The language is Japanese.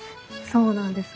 そうなんです。